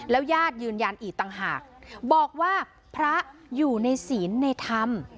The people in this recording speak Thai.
แล้วยาดยืนยันหยันอีตทั้งห่าดบอกว่าพระอยู่ในศีรในธรรม